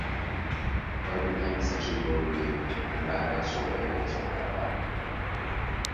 Garden plant sections were removed, and back of store areas were cut back.